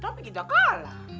tapi kita kalah